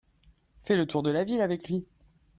Fais le tour de la ville avec lui.